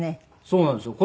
そうなんですよ。